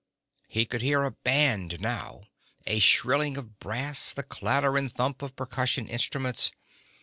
He could hear a band now, a shrilling of brass, the clatter and thump of percussion instruments.